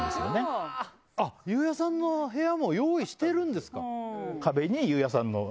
裕也さんの部屋も用意してるんですか？